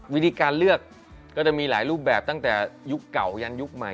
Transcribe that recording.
วิธีการเลือกก็จะมีหลายรูปแบบตั้งแต่ยุคเก่ายันยุคใหม่